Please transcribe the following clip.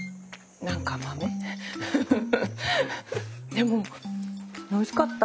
でもおいしかった。